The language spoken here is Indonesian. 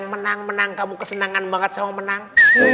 menang menang kamu kesenangan banget sama menang